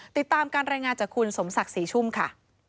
ติดตามการรายงานจากคุณสมศักดิ์ศรีชุ่มค่ะ